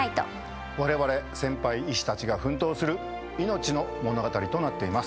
われわれ先輩医師たちが奮闘する命の物語となっています。